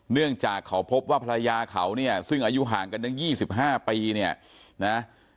เนื่องจากเขาพบว่าภรรยาเขาเนี่ยซึ่งอายุห่างกันตั้ง๒๕ปีเนี่ยนะ